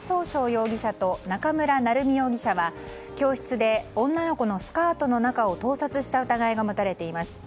容疑者と中村成美容疑者は教室で女の子のスカートの中を盗撮した疑いが持たれています。